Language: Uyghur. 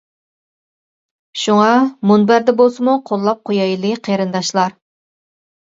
شۇڭا مۇنبەردە بولسىمۇ قوللاپ قۇيايلى قېرىنداشلار.